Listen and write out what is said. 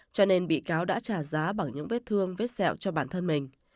cho nên bị cáo đã trả giá bằng những vết thương vết sẹo cho bản thân mình